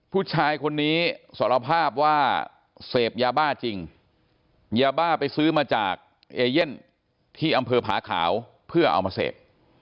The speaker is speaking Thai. ผู้ชายคนนี้สารภาพว่าเสพยาบ้าจริงยาบ้าไปซื้อมาจากเอเย่นที่อำเภอผาขาวเพื่อเอามาเสพ